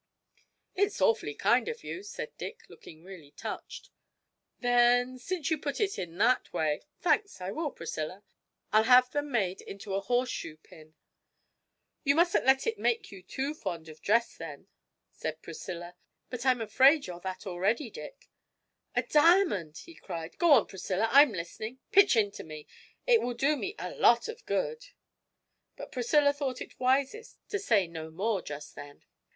'It's awfully kind of you,' said Dick, looking really touched. 'Then since you put it in that way thanks, I will, Priscilla. I'll have them made into a horse shoe pin.' 'You mustn't let it make you too fond of dress, then,' said Priscilla; 'but I'm afraid you're that already, Dick.' 'A diamond!' he cried; 'go on, Priscilla, I'm listening pitch into me, it will do me a lot of good!' But Priscilla thought it wisest to say no more just then.